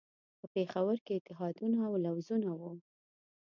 په پېښور کې اتحادونه او لوزونه وو.